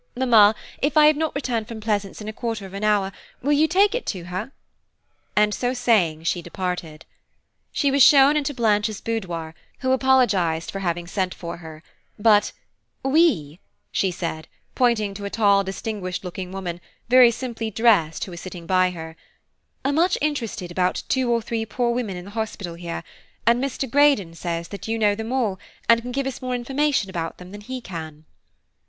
Mamma, if I have not returned from Pleasance in a quarter of an hour, will you take it to her?" and so saying she departed. She was shown into Blanche's boudoir, who apologised for having sent for her, but "We," she said, pointing to a tall distinguished looking woman, very simply dressed, who was sitting by her, "are much interested about two or three poor women in the hospital here, and Mr. Greydon says that you know them all, and can give us more information about them than he can."